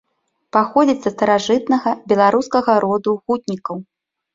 Паходзіць са старажытнага беларускага роду гутнікаў.